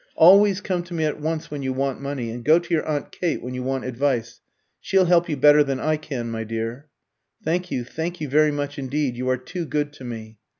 "Always come to me at once when you want money; and go to your aunt Kate when you want advice. She'll help you better than I can, my dear." "Thank you thank you very much indeed. You are too good to me."